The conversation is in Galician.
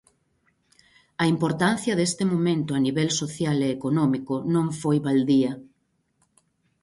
A importancia deste momento a nivel social e económico non foi baldía.